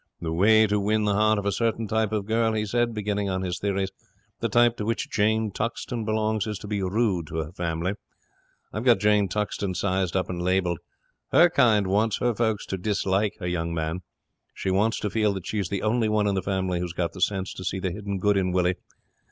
The way to win the heart of a certain type of girl," he says, beginning on his theories, "the type to which Jane Tuxton belongs, is to be rude to her family. I've got Jane Tuxton sized up and labelled. Her kind wants her folks to dislike her young man. She wants to feel that she's the only one in the family that's got the sense to see the hidden good in Willie.